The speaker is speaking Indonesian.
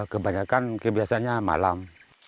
kebanyakan kebiasanya malam